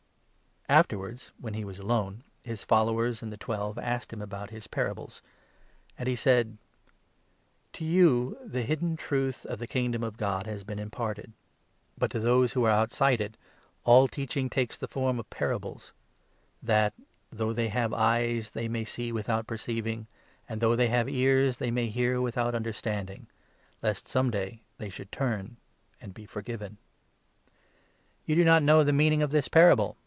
Afterwards, when he was alone, his followers and the 10 Twelve asked him about his parables ; and he said : 1 1 "To you the hidden truth of the Kingdom of God has been imparted ; but to those who are outside it all teaching takes the form of parables, that —'' Though they have eyes, they may see without perceiving ; 12 And though they have ears, they may hear without understanding; Lest some day they should turn and be forgiven.' You do not know the meaning of this parable